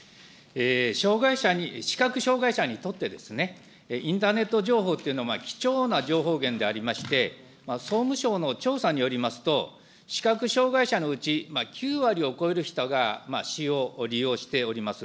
障害者に、視覚障害者にとって、インターネット情報というのは貴重な情報源でありまして、総務省の調査によりますと、視覚障害者のうち、９割を超える人が使用、利用しております。